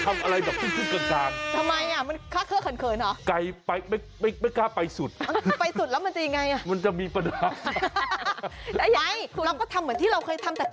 ไม่ชอบทำชอบชอบชอบชอบสละอยาก